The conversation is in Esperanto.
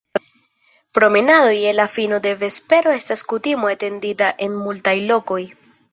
Promenado je la fino de vespero estas kutimo etendita en multaj lokoj.